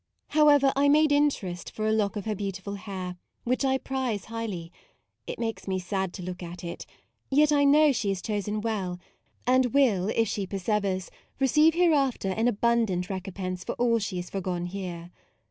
However, I made in terest for a lock of her beautiful hair, which I prize highly. It makes me sad to look at it ; yet I know she has MAUDE 83 chosen well, and will, if she perse veres, receive hereafter an abundant recompense for all she has foregone here.